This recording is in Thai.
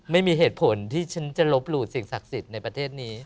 ไม่มีเหตุผลที่ฉันจะลบหลู่สิ่งศักดิ์สิทธิ์ในประเทศนี้